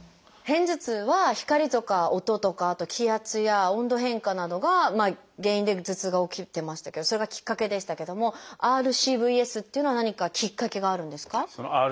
片頭痛は光とか音とかあと気圧や温度変化などが原因で頭痛が起きてましたけどそれがきっかけでしたけどもＲＣＶＳっていうのは何かきっかけがあるんですか？